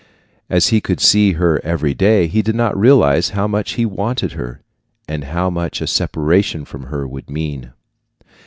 As he could see her every day, he did not realize how much he wanted her, and how much a separation from her would mean.